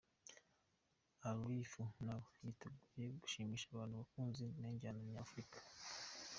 Alif Naaba yiteguye gushimisha abantu abakunzi b'injyana za kinyafurika.